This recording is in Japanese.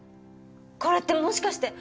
これってもしかして。